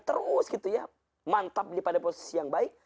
terus gitu ya mantap pada posisi yang baik